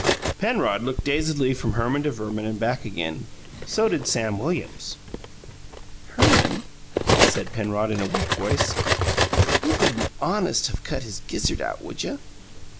Penrod looked dazedly from Herman to Verman and back again. So did Sam Williams. "Herman," said Penrod, in a weak voice, "you wouldn't HONEST of cut his gizzard out, would you?"